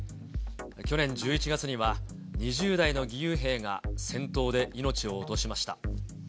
去年１１月には、２０代の義勇兵が戦闘で命を落としました。